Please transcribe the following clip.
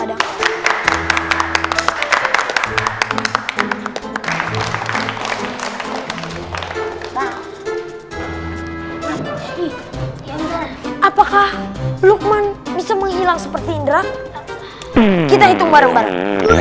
apakah lukman bisa menghilang seperti indra kita hitung bareng bareng